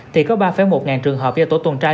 thì có ba một ngàn trường hợp do tổ tuần tra